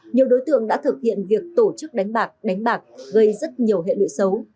nhiều đối tượng đã thực hiện việc tổ chức đánh bạc đánh bạc gây rất nhiều hệ lụy xấu